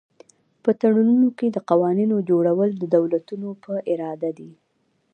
په تړونونو کې د قوانینو جوړول د دولتونو په اراده دي